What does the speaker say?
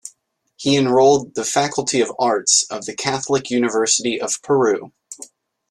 He enrolled the Faculty of Arts of the Catholic University of Peru.